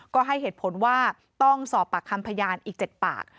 ก็ให้เหตุผลว่าต้องสอบปากคำพยานอีก๗ปาก